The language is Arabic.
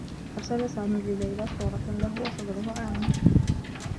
أرسل سامي لليلى صورة له و صدره عار.